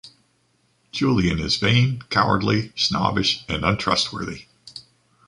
Julian is vain, cowardly, snobbish, and untrustworthy.